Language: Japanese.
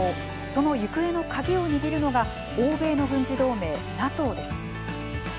その行方の鍵を握るのが欧米の軍事同盟・ＮＡＴＯです。